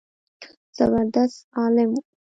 زبردست عالم و.